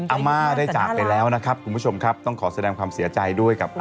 โอกติยามเยิมเลยนะบ่